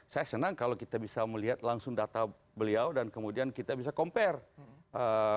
saya senang kalau kita bisa melihat langsung data beliau dan kemudian kita bisa compare